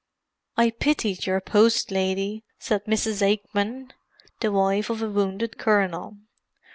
"I pitied your post lady," said Mrs. Aikman, the wife of a wounded colonel.